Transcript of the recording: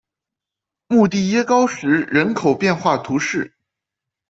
穆蒂耶高石人口变化图示